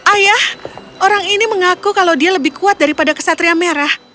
ayah orang ini mengaku kalau dia lebih kuat daripada kesatria merah